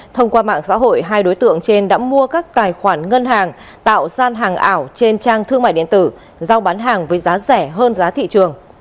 thông qua mạng xã hội hai đối tượng trên đã mua các tài khoản ngân hàng tạo gian hàng ảo trên trang thương mại điện tử giao bán hàng với giá rẻ hơn giá thị trường